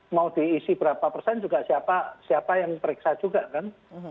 mau diisi berapa persen juga siapa yang periksa juga kan